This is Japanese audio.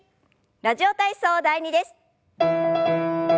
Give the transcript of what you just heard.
「ラジオ体操第２」です。